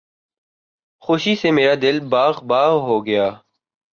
خوشی سے میرا دل باغ باغ ہو گیا